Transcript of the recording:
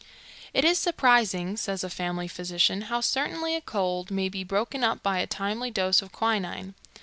It is surprising, says a family physician, how certainly a cold may be broken up by a timely dose of quinine.